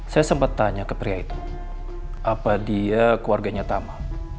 saya sempat tanya ke pria itu apa dia keluarganya tama